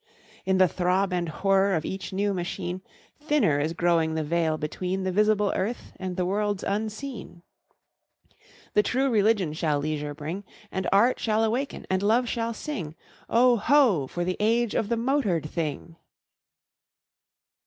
In the throb and whir of each new machine Thinner is growing the veil between The visible earth and the worlds unseen. The True Religion shall leisure bring; And Art shall awaken and Love shall sing: Oh, ho! for the age of the motored thing!